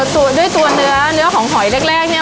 เอ่อสูตรด้วยตัวเนื้อเนื้อของหอยแรกแรกเนี่ย